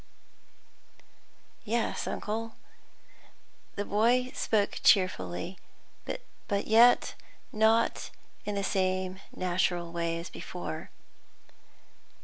"Yes, uncle." The boy spoke cheerfully, but yet not in the same natural way as before.